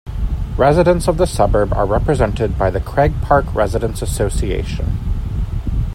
Residents of the suburb are represented by the CraigPark Residents Association.